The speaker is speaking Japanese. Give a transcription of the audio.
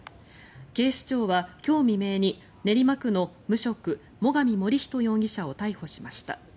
警視庁は今日未明に練馬区の無職最上守人容疑者を逮捕しました。